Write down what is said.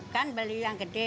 kan beli yang gede